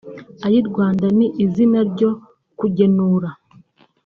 Ayirwanda ni izina ryo kugenura